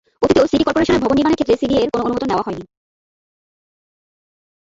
অতীতেও সিটি করপোরেশনের ভবন নির্মাণের ক্ষেত্রে সিডিএর কোনো অনুমোদন নেওয়া হয়নি।